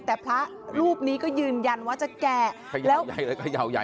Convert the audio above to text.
แต่พระรูปนี้ก็ยืนยันว่าจะแกะ